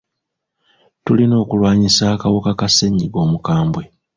Tulina okulwanyisa akawuka ka ssenyiga omukambye.